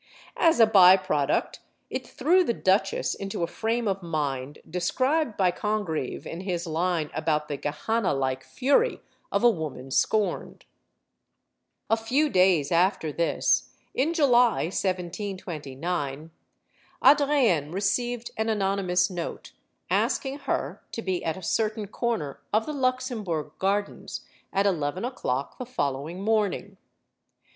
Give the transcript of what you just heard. As a by product, it threw the duchesse into a frame of mind described by Congreve in his line about the Gehennalike fury of a woman scorned. A few days after this in July, 1 729 Adrienne received an anonymous note asking her to be at a 130 STORIES OF THE SUPER WOMEN certain corner of the Luxembourg Gardens at eleven o'clock the following morning.